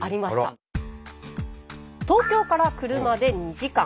東京から車で２時間。